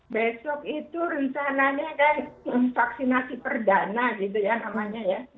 besok itu rencananya kan vaksinasi perdana gitu ya namanya ya